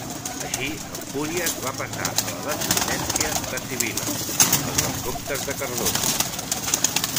Així, Empúries va passar a la descendència de Sibil·la, els vescomtes de Cardona.